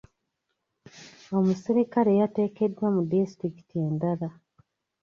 Omuserikale yateekeddwa mu disitulikiti endala.